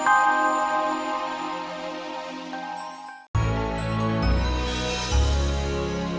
aku benci kamu yang terbaik